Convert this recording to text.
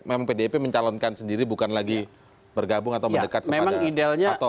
memang pdip mencalonkan sendiri bukan lagi bergabung atau mendekat kepada atau